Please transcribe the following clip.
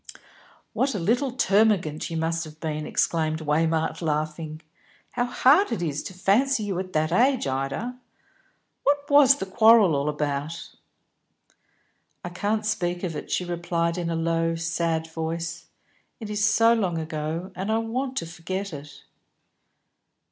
"What a little termagant you must have been!" exclaimed Waymark, laughing. "How hard it is to fancy you at that age, Ida. What was the quarrel all about?" "I can't speak of it," she replied, in a low, sad voice. "It is so long ago; and I want to forget it."